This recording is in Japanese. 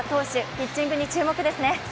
ピッチングに注目ですね。